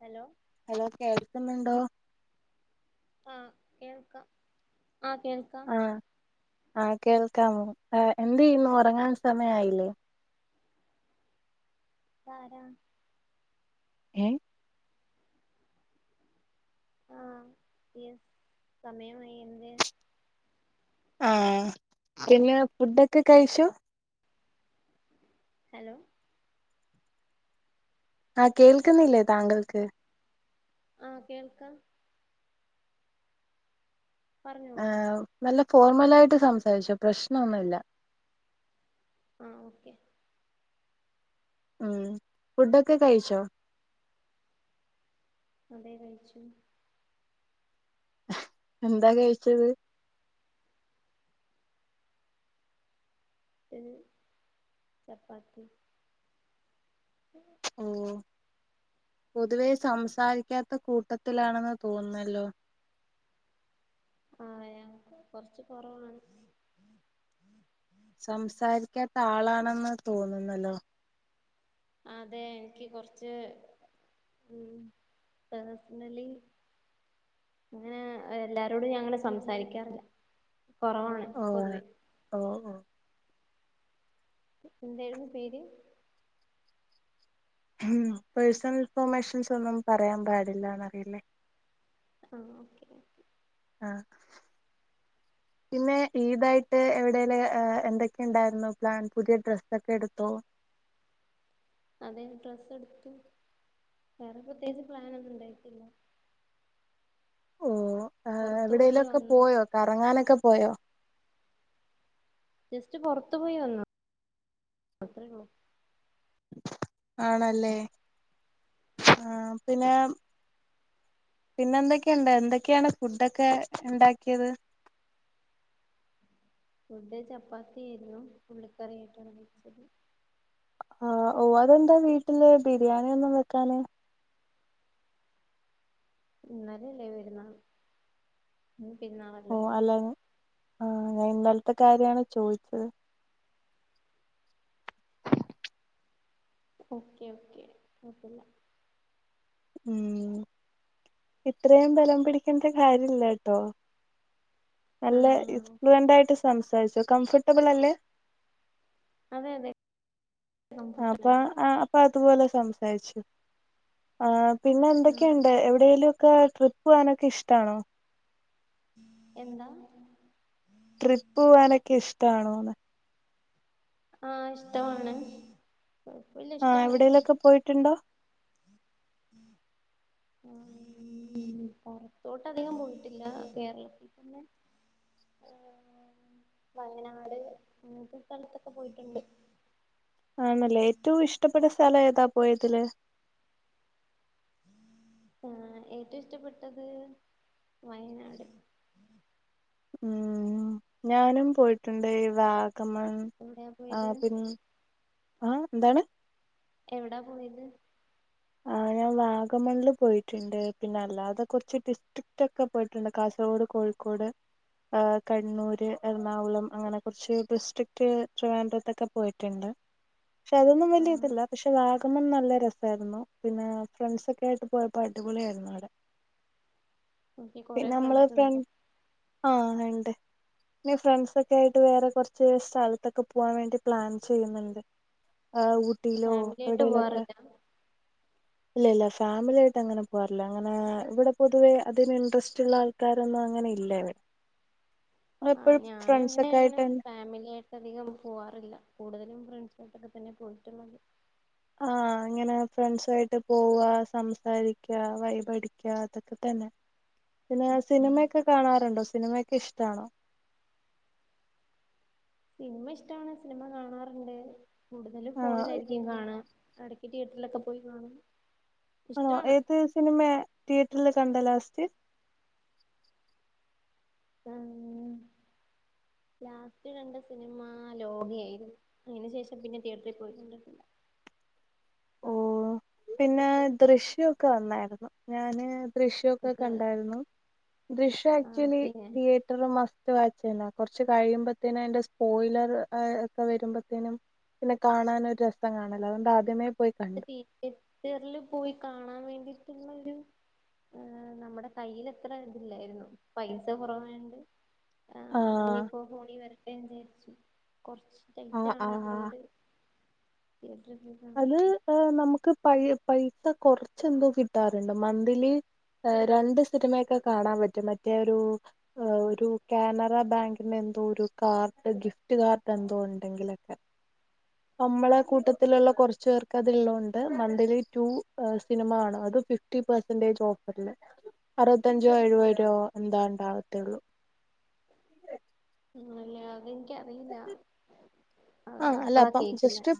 Hello? Hello കേൾക്കുന്നുണ്ടോ? ആഹ് കേൾക്കാം. ആഹ് കേൾക്കാം. ആഹ് ആഹ് കേൾക്കാമോ ആ എന്ത് ചെയ്യുന്നു ഉറങ്ങാൻ സമയായില്ലേ? ഇതാരാ? എ ആ [unintelligible] യസ്‌ സമയം വയ്യന്ത് ആ പിന്നെ ഫുഡൊക്കെ കഴിച്ചു ഹലോ ആ കേൾക്കുന്നില്ലേ താങ്കൾക്ക് ആ കേൾക്കാം ആ പറഞ്ഞോളൂ നല്ല ഫോർമലായിട്ട് സംസാരിച്ചോ പ്രശ്നം ഒന്നും ഇല്ല ആ ഓക്കെ ഉം ഫുഡൊക്കെ കഴിച്ചോ അതേ കഴിച്ചു എന്താ കഴിച്ചത് ത് ചപ്പാത്തി ഓ പൊതുവേ സംസാരിക്കാത്ത കൂട്ടത്തിലാണെന്ന് തോന്നുന്നല്ലോ ആ ഞങ്ങക്ക് കൊറച്ച് കൊറവൊള്ള സംസാരിക്കാത്ത ആളാണെന്ന് തോന്നുന്നല്ലോ അതെ എനിക്ക് കൊറച്ച് ഉം പേഴ്സണലി അങ്ങനെ എല്ലാരോടും ഞാൻ അങ്ങനെ സംസാരിക്കാറില്ല കൊറവാണ് ഓഹ് പൊതുവേ ഓഹ് ഓഹ് എന്തായിരുന്നു പേര് ഉം പേഴ്സണൽ ഇൻഫോർമേഷൻസ് ഒന്നും പറയാൻ പാടില്ലാന്ന് അറിയില്ലേ ആ ഓക്കെ ഓക്കെ ആ പിന്നെ ഈതായിട്ട് എവിടേലും എന്തൊക്കെയുണ്ടായിരുന്നു പ്ലാൻ പുതിയ ഡ്രസ്സൊക്കെ എടുത്തോ അതെ ഡ്രസ് എടുത്തു വേറെ പ്രത്യേകിച്ച് പ്ലാൻ ഒന്നും ഇണ്ടായിട്ടില്ല ഓ ആ പോയി എവിടേലുമൊക്കെ വന്നു പോയോ കറങ്ങാനൊക്കെ പോയോ ജസ്റ്റ് പൊറത്തു പോയി വന്നു അത്രേയുള്ളു ആണല്ലേ ആ പിന്നെ പിന്നെ എന്തൊക്കെയുണ്ട് എന്തൊക്കെയാണ് ഫുഡൊക്കെ ഉണ്ടാക്കിയത് ഫുഡ് ചപ്പാത്തി ആരുന്നു ഉള്ളിക്കറിയായിട്ടാണ് കഴിച്ചത് ആ ഓ അതെന്താ വീട്ടില് ബിരിയാണി ഒന്നും വെക്കാന് ഇന്നലെയല്ലേ വരുന്നന്ന് ഇന്ന് ഓ പെരുനാളല്ലല്ലോ അല്ല ആ ഞാൻ ഇന്നലത്തെ കാര്യാണ് ചോദിച്ചത് ഓക്കെ ഓക്കെ കുഴപ്പില്ല ഉം ഇത്രയും ബലം പിടിക്കണ്ട കാര്യല്ല കേട്ടോ നല്ല ആഹ് ഇൻഫ്ലുവെന്റായിട്ടു ആയിട്ട്- സംസാരിച്ചു കംഫർട്ടബിൾ അല്ലേ അതെ അതെ ആ അപ്പ കംഫർട്ടല്ല ആ അപ്പ അതുപോലെ സംസാരിച്ചു ആ പിന്നെ ആഹ് എന്തൊക്കെയുണ്ട് എവിടേ ലും ട്രിപ്പ് പോകാനൊക്കെ ഇഷ്ടാണോ എന്താ ട്രിപ്പ് പോവാനൊക്കെ ഇഷ്ടമാണോന്ന് ആ ഇഷ്ടമാണ് കുഴപ്പല്ല ആ ഇഷ്ടാണ് എവിടേലൊക്കെ പോയിട്ടുണ്ടോ? ഉം പുറത്തോട്ടധികം പോയിട്ടില്ല കേരളത്തിൽ തന്നെ വയനാട് അങ്ങനത്തെ സ്ഥലത്തൊക്കെ പോയിട്ടുണ്ട് ആണല്ലേ ഏറ്റവും ഇഷ്ടപ്പെട്ട സ് സ്ഥലവേതാ പോയതില് ആഹ് ഏറ്റവും ഇഷ്ടപ്പെട്ടത് വയനാട് ഉം ഞാനും പോയിട്ടുണ്ട് ഈ വാഗ് ഗമൺ എവിടെയാ ആ പോയത് പിൻ ആഹ് എന്താണ് എവിടാ പോയത് ആഹ് ഞാൻ വാഗമണ്ണില് പോയിട്ടുണ്ട് പിന്നെ അല്ലാതെ കുറച്ച് ഡിസ്ട്രിക്റ്റ് ഒക്കെ പോയിട്ടുണ്ട് കാസർഗോട് കോഴിക്കോട് ആഹ് കണ്ണൂര് എറണാകുളം അങ്ങനെ കുറച്ച് ഡിസ്ട്രിക്റ്റ് ട്രിവാൻഡ്രത്തൊക്കെ പോയിട്ടുണ്ട് പക്ഷേ അതൊന്നും വലിയ ആഹ് ഇതില്ല പക്ഷേ വാഗ് ഗമൺ നല്ല രസായിരുന്നു പിന്നെ ഫ്രണ്ട്സൊക്കെ ആയിട്ട് പോയപ്പോ അടിപൊളിയായിരുന്നവിടെ എനിക്ക് കൊറെ പിന്നെ നമ്മള് ഫ്രണ്ട്സ് ഫ്രൻ ഉണ്ട് ആഹ് [unintelligible] ഇനി ഫ്രണ്ട്സൊക്കെ ആയിട്ട് വേറെ കൊറച്ച് സ്ഥലത്തൊക്കെ പോവാൻ വേണ്ടി പ്ലാൻ ചെയ്യുന്നുണ്ട് ആ ഊട്ട് ഊട്ടിയിലോ ഫാമിലി ആയിട്ട് എവിടേലൊക്കെ പോവാറില്ല ഇല്ല ഇല്ല ഫാമിലിയായിട്ട് അങ്ങനെ പോവാറില്ല അങ്ങനെ ഇവിടെ പൊതുവേ അതിന് ഇൻ്ററെസ്റ്റ് ഉള്ള ആൾക്കാരൊന്നും അങ്ങനെ ഇല്ല ഇവിട് ആ ഞാനും അങ്ങനെയാണ് ഫാമിലി ആയിട്ട് അധികം പോവാറില്ല കൂടുതലും ഫ്രെണ്ട്സായിട്ടൊക്കെ തന്നെ പോയിട്ടുള്ളത് ആ ഇങ്ങനെ ഫ്രണ്ട്സായിട്ട് പോവ്വാ സംസാരിക്കാ വൈബടിക്കാ അതൊക്കെ തന്നെ പിന്നെ ആഹ് സിനിമയൊക്കെ കാണാറുണ്ടോ സിനിമയൊക്കെ ഇഷ് [unintelligible] സിനിമ ഇഷ്ടാണ് സിനിമ കാണാറുണ്ട് കൂടുതലും ആ ഫോണിലായിരിക്കും കാണുക എടയ്ക്ക് തിയറ്ററിലൊക്കെ പോയി കാണും ആ ഇഷ്ടാണ് ഏത് സിനിമേ തിയറ്ററില് കണ്ട ലാസ്റ്റ് ആ ഉം ലാസ്റ്റ് കണ്ട സിനിമ ലോകായായിരുന്നു അതിനു ശേഷം പിന്നെ തിയറ്ററി പോയി കണ്ടിട്ടില്ല ഓ പിന്നെ ദൃശ്യം ഒക്കെ വന്നായിരുന്നു ഞാന് ദൃശ്യൊക്കെ അത് കണ്ടായിരുന്നു ദൃശ്യ ആ ആക്ച്വലി പിന്നെ തിയേറ്ററില് മസ് [unintelligible] കൊർച്ച് കഴിയുമ്പത്തിന് അതിന്റെ സ്പോയിലർ ഒക്കെ വരുമ്പേത്തിനും പിന്നെ കാണാൻ ഒരു രസം കാണില്ല അതുകൊണ്ട് ആദ്യമേ പോയി കണ്ടു തിയേറ്ററില് പോയി കാണാൻ വേണ്ടി [unintelligible] നമ്മുടെ കയ്യിൽ ഇത്ര ഇതില്ലായിരുന്നു പൈസ കുറവണ്ട് ആ ആഹ് ഇനിപ്പോ കൂടി വരട്ടെ എന്ന് വിചാരിച്ചു കൊറച്ച് ആഹ് ടൈറ്റാണ് ആഹ് അതുകൊണ്ട് എത്ര അത് [unintelligible] നമുക്ക് പഴ് പൈസ കുറച്ച് എന്തോ കിട്ടാറുണ്ട് മന്ത്ലി രണ്ട് സിനിമയൊക്കെ കാണാൻ പറ്റും മറ്റേ ഒരു ഒരു കാനറ ബാങ്കിന്റെ എന്തോ ഒരു കാർഡ് ഗിഫ്റ്റ് കാർഡ് എന്തോ ഉണ്ടെങ്കിലൊക്കെ നമ്മളെ കൂട്ടത്തിലുള്ള കുറച്ചു പേർക്ക് അത്ള്ളതൊണ്ട് മന്ത്ലി ടു സിനിമ കാണാം അത് ഫിഫ്റ്റി പെർസെൻ്റെജ് ഓഫറിൽ അറുപത്തഞ്ചോ എഴുപതോ എന്താ ണ്ടകതൊള്ളൂ ഉം അല്ലാതെ ആഹ അല്ല ഇപ്പളാ അപ്പ കേൾക്കുന്നെ ജസ്റ്റ്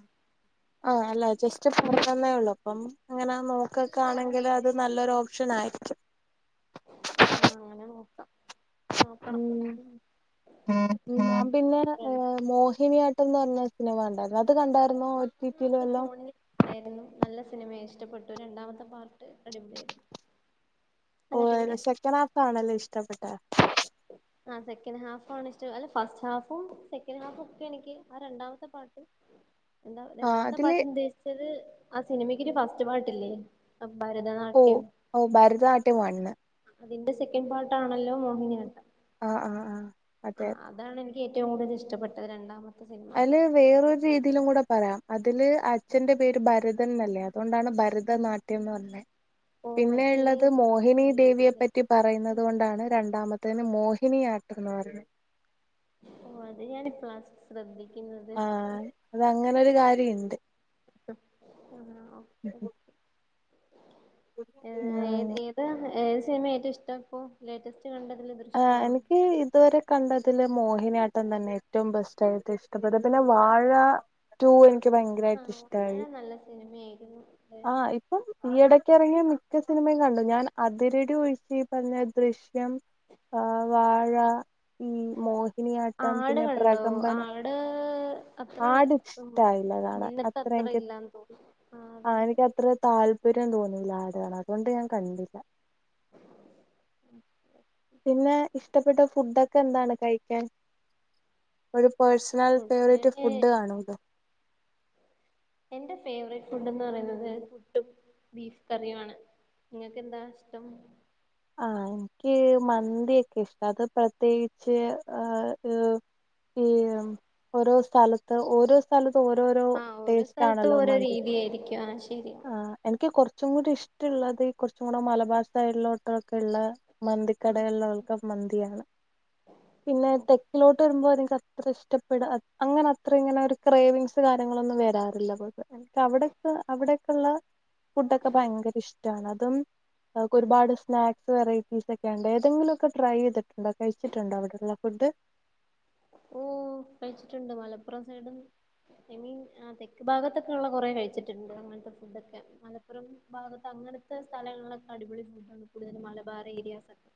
ആഹ അല്ല ജസ്റ്റ് നന്നേള്ളു അപ്പം അങ്ങനെ നോക്കക്കെ ആണെങ്കിൽ അത് നല്ലൊരു ഓപ്ഷൻ ആയിട്ടും ആഹ അങ്ങനെ നോക്കാം ഉ നോക്കണം ഞാൻ പിന്നെ ആ മോഹിനിയാട്ടംന്ന് പറഞ്ഞ വേണ്ട അത് കണ്ടായിരുന്നോ ഒീറ്റയില വല്ലാം സിനിമെ ഇഷ്ടപ്പെട്ടു രണ്ടാമത്തെ പാർട്ട് അടിപൊളിയായിരുന്നു ഓ അത് അടിപൊളിയാ സെക്കൻ് ഹാഫ്ാണല്ലോ ഇഷ്ടപ്പെട്ട ആഹ ആ സെക്കൻഡ് ഹാഫ ആ ഇഷ്ട അല്ല ഫസ്റ്റ് ഹാഫും സെക്കൻഡ് ഹാഫും ഒക്കെ എനിക്ക് ആ രണ്ടാമത്തെ പാട്ടിൽ എന്താ ആഹ് രണ്ടാമത്തെ അതില് പാട്ടം ഉദ്ദേശിച്ചത് സിനിമക്കൊരു ഫസ്റ്റ് പാട്ടില്ലേ ഓ ഭരതനാട്യം ഓ ഭരതനാട്യമാണ്ണ് അതിന്റെ സെക്കൻഡ് പാർട്ടാണല്ലോ മോഹിനിയാട്ട ആഹ ആഹ് ആഹ അതെ അതെ എനിക്ക് ഏറ്റവും കൂടുത ഇഷ്ടപ്പെട്ട രണ്ടാമത് അതില് വേറൊരു രീതിയിലും കൂടെ പറയാം അതില് അച്ഛന്റെ പേര് ഭരതൻല്ലേ അതുകൊണ്ടാണ് ഭരതനാട്യംന്ന് പറഞ്ഞെ ഓ മറ്റേ പിന്നെയള്ളത് മോഹിനി ദേവിയെപ്പറ്റി പറയുന്നത് കൊണ്ടാണ് രണ്ടാമത്തെ അത്തന് മോഹിനിയാട്ടന്ന് പറു ഓ അതെ ഞാൻ ഇ പ്ലാസ് ശ്രദ്ധി ആഹ അത അങ്ങനെരു കാര്യ ണ്ട് ഉ [inaudible] ഏ ഏ ഏത് ഏ സിനിമ ഏറ്റ ഇഷ്ട ഇപ്പോ ലേറ്റസ്റ്റ് കണ്ടതില് ആഹ് ദൃശ്യാണോ എനിക്ക് ഇതുവരെ കണ്ടതിൽ മോഹിനിയാട്ടം തന്നെ ഏറ്റവും ബെസ്റ്റ് ആയിട്ട് ഇഷ്ടപ്പെട്ടത് പിന്നെ വാഴ ടു എനി ക്കു ഭയങ്കരമായിട്ട് ഇഷ്ടായി ഇ [inaudible] ആഹ് ഇപ്പം ഈയിടക്കു ക്കു ഇറങ്ങിയ മിക്ക സിനിമയും കണ്ടു ഞാൻ അതിരടി ഒഴിച്ചച്ച് ഈ പറഞ്ഞ ദൃശ്യം ആ വാഴ ഈ മോഹിനിയാട്ടം ആട് പിന്നെ കണ്ടോ പ്രകമ്പന ആട് അത്ര ആടു ഇഷ്ടയില്ല മുന്നത്തെ അത്ര അത്രയെനിക്ക് ഇല്ലാന്ന് തോന്നുന്നു ആ അതായത് എനിക്ക്ത്ര താല്പര്യം തോന്നി ലാടുകാണാൻ അതുകൊണ്ട് ഞാൻ കണ്ടില്ല [inaudible] പിന്നെ ഇഷ്ടപ്പെട്ട ഫുഡ ഒക്കെ ക്കെ എന്താണ് കഴിക്കാൻ പേഴ്സണൽ ഫുഡ് ഫേവറേറ്റ് ഫുഡ് കാണൂല്ലോ എന്റെ ഫേവറേറ്റ് ഫുഡ്ന്ന് പറയുന്നത് പുട്ടും ബീഫ് കറിയുമാണ് നിങ്ങൾക്ക് എന്താ ഇഷ്ടം ആഹ് എനിക്ക് മന്തിയൊക്കെ ഇഷ്ടം അത് പ്രത്യേകിച്ച് ആ ഈ പൊറോ സ്ഥലത്ത് ഓരോ സ്ഥലത് ത്തു ഓരോരോ ആഹ് ഓരോ ടേസ്റ്റ് സ്ഥലത്തും ആണല്ലോ ഓരോ മന്തി രീതിയായിരിക്കും ആഹ് ശരിയാ ആഹ് എനിക്ക് കുറ ച്ചും കൂടി ഇഷ്ടമുള്ളത് കുറച്ചും കൂടെ മലബാർ സ്റ്റൈലിലോ കാക്കുള്ള ആ മന്തിക്കടകളിലൾക്കെ മന്തിയാണ് പിന്നെ തെക്കിലോട്ട് വരുമ്പോ നിങ്ങക്ക് അത്ര ഇഷ്ടപ്പെടാ, അങ്ങനെ അത്ര ഇങ്ങനെ ഒരു ക്രേവിങ്സ് കാര്യങ്ങളൊന്നും വരാറില്ലാ [unintelligible] അവിടൊക്ക അവിടൊക്കെയുള്ള ഫുഡൊക്കെ ഭയങ്കര ഇഷ്ടമാണ് അതും അവക്ക് ഒരുപാട് ഇഷ് സ്നാക്സ് വെറൈറ്റീസ് ഒക്കെ ഉണ്ടോ ഏതെങ്കിലുമൊക്കെ ട്രൈ ചെയ്തിട്ടുണ്ടോ കഴിച്ചിട്ടുണ്ടോ അവിടുള്ള ഫുഡ്. ഓ കഴിച്ചിട്ടുണ്ട് മലപ്പുറം സൈഡും ഐ മീൻ ആ തെക്ക് ഭാഗത്തൊക്കെ ഉള്ള കുറേ കഴിച്ചിട്ടുണ്ട് അങ്ങനത്തെ ഫുഡൊക്കെ മലപ്പുറം ഭാഗത്ത് അങ്ങനത്തെ സ്ഥലങ്ങളിലൊക്കെ അടിപൊളി ഫുഡണ് കൂടുതലും മലബാറി ഏരിയാസ് ഒക്കെ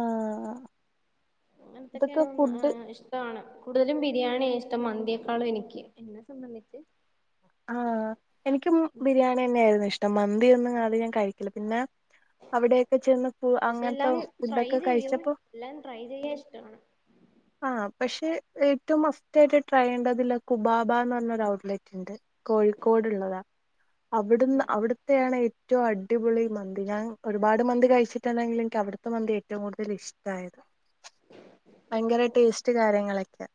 ആഹ അങ്ങനത്തൊക്കെയ ഇഷ്ടമാണ് കൂടുതലും ബി രിയാണ് ഇഷ്ടം മന്തിയേെക്കാളും എനിക്ക് [unintelligible] ആഹ എനിക്കും ബിരിയാണി തന്നെയ ആയിരുന്നു ഇഷ് ദ മന്തി ഒന്നും അധികം കഴിക്കൽത്തില്ല. അവിടെൊക്കെ ചെന്ന് ഫ പക്ഷെ അങ്ങനത്തെ എല്ലാം ട്രൈ ഫുഡൊക്കെ ചെയ്യും കഴിച്ചപ്പോ എല്ലാം ട്രൈ ചെയ്യാൻ ഇഷ്ടമാണ് ആഹ പക്ഷെ ഏറ്റവും മസ്റ്റ് ആയിട്ട് ട്രയണ്ടതില്ല കുബാബ എന്ന് പറഞ്ഞൊരു ഔട്ട്ലെറ്റ് ഉണ്ട്. കോഴിക്കോട്ള്ളതാ. അവിടുന്ന് അവിടുത്തയാണ് ഏ ഏറ്റവും അടിപൊളി മന്തി ഞാൻ ഒരുപാട് മന്തി കഴിച്ചിട്ടെങ്കിൽ എനിക്ക് അവിടുത്തെ മന്തി ഏറ്റവും കൂടുതൽ ഇഷ്ടമായത്. ഓ ഭയങ്കര ഓ ഓ ടേസ്റ്റ് കാര്യങ്ങളൊക്കെയ.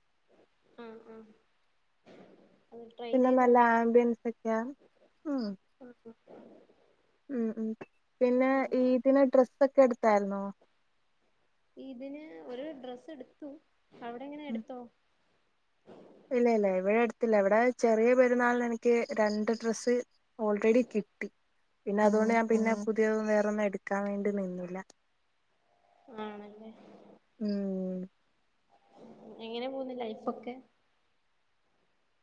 ആഹ് ആഹ് അത് ട്രൈ പിന്നെ ചെയ്ത് നല്ല നോക്കാം ആംബിയൻസ് ഒക്കെയ ഉ ഉം ഉം പിന്നെ ഈ ഇതിനെ ഡ്രസ്സ ഒക്കെ എടു താരണോ ഇതിന് ഒരു ഡ്രസ്സ് എടുത്തു അവിടെ എങ്ങനെ എടുത്തോ? [unintelligible] ഇല്ല ഇല്ല ഇവിടെ എടുത്തില്ല ഇവിടെ ചെറിയ പെരുന്നാളിന് എനിക്ക് രണ്ട് ഡ്രസ്സ് ഓൾറെഡി കിട്ടി. പിന്നെ അതുകൊണ്ട് [inaudible] ഞാൻ പിന്നെ പുതിയതും വേറൊന്നും എടുക്കാൻ വേണ്ടി നിന്നില്ല ആണല്ലേ ഉം എങ്ങനെ പോന്നു ലൈഫൊക്കെ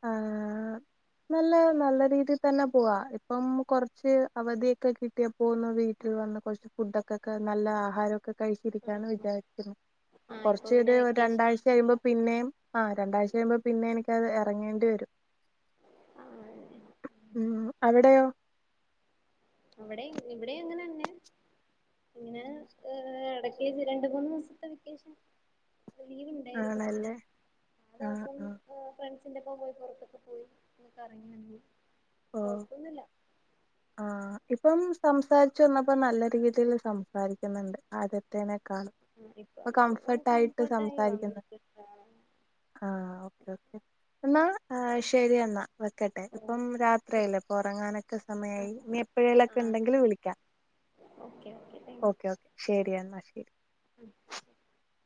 ആ നല്ല നല്ല രീതിയിൽ തന്നെ പോവാ, ഇപ്പം കൊറച്ച് അവധിയൊക്കെ കിട്ടിയപ്പോന്ന് വീട്ടിൽ വന്ന് കുറച്ച് ഫുഡൊക്കെ ഒക്കെ നല്ല ആഹാരം ക്ക കഴിച്ചിരിക്കന്ന് വിചാരിക്കുന്നു, ആഹ് ഇപ്പൊ കുറച്ച് പിന്നെ ഒരു വെക്കേഷൻ രണ്ടാഴ്ച കഴിയുമ്പോൾ ആണല്ലോ പിന്നെയും ആ രണ്ടാഴ്ച കഴിയുമ്പോ പിന്നെ എനിക്കത് തുടങ്ങേണ്ടി വരും. ഉ അവിടെയോ? അവിടെ ഇവിടെ അങ്ങനെ തന്നെ, ഇങ്ങനെ ഏ ഇടക്ക രണ്ട്, മൂന്ന് ദിവസത്തെ വക്കേഷൻ ലീവ് ഇണ്ടാരുന്നോ അങ്ങനെ ആണല്ലേ ആ ആഹ് ദേവസം ആഹ് ആഹ്‌ ഫ്രണ്ട്‌സ് അന്റെപ്പോ പോയി പൊറത്തൊക്കെ പോയി ഒന്ന്ക്കറങ്ങി വന്നു ഓ കൊഴപ്പൊന്നുല്ല ആഹ് ഇപ്പം സംസാരിച്ചു വന്നപ്പോ നല്ല രീതില് സംസാരിക്ക്ന്ന്ണ്ട് ആദ്യത്തേനെ ക്കാളും ഇപ്പൊ ഇപ്പോ ഒന്ന് കംഫർട്ടായിട്ട് കംഫർട്ടായി സംസാരിക്കുന്ന് വന്നിട്ട് ആ ആഹ് ഓക്കേ ഓക്കേ എന്നാ ആ ശെരിയെന്നാ വെക്കട്ടെ ഓ ഇപ്പം രാ ത്രിയായില്ലേ അപ്പൊ ഒറങ്ങാനൊക്കെ ആ സമയായി ഇനി ആ എപ്പോഴേലുവോക്കെ ഇണ്ടെങ്കിലിൽ വിളിക്കാം ഓക്കെ താങ്ക് ഓക്കെ ഓക്കെ ശെരി ഓക്കേ എന്നാ ശെരി [inaudible]